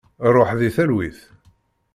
Ṛuḥ di talwit!